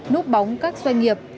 núp bóng các doanh nghiệp